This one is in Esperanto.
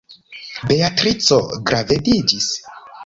Beatrico gravediĝis.